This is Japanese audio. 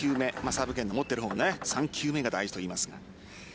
サーブ権の持っている方が３球目が大事といいますが。